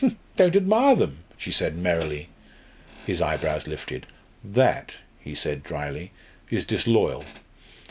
"Don't admire them!" she said merrily. His eyebrows lifted. "That," he said drily, "is disloyal.